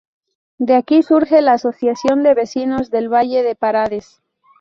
De aquí surge la Asociación de Vecinos del Valle de Paredes.